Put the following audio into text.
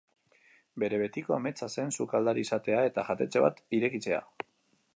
Bere betiko ametsa zen sukaldari izatea eta jatetxe bat irekitzea.